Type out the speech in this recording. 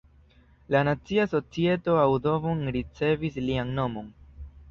La Nacia Societo Audubon ricevis lian nomon.